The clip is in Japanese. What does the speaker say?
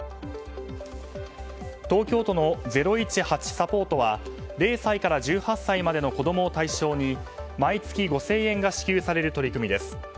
東京都の０１８サポートは０歳から１８歳までの子供を対象に毎月５０００円が支給される取り組みです。